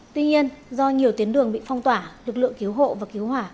tuy nhiên do nhiều tuyến đường bị phong tỏa lực lượng cứu hộ và cứu hỏa